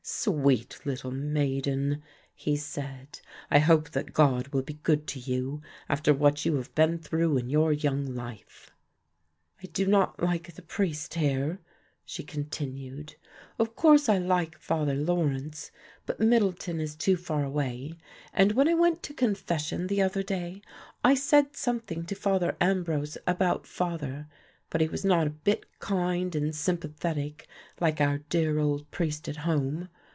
"Sweet little maiden," he said, "I hope that God will be good to you after what you have been through in your young life." "I do not like the priest here," she continued; "of course I like Father Laurence, but Middleton is too far away and when I went to confession the other day I said something to Father Ambrose about father, but he was not a bit kind and sympathetic like our dear old priest at home.